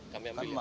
kami yang beli